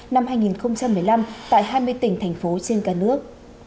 năm hai nghìn một mươi năm tại hai mươi tỉnh thành phố trên cả nước